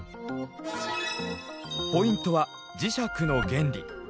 ポイントは磁石の原理。